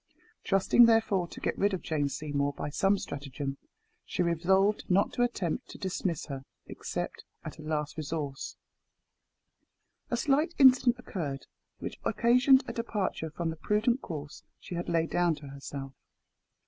Trusting, therefore, to get rid of Jane Seymour by some stratagem, she resolved not to attempt to dismiss her, except as a last resource. A slight incident occurred, which occasioned a departure from the prudent course she had laid down to herself.